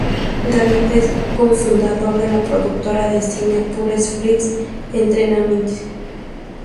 David es co-fundador de la productora de cine Pure Flix Entertainment.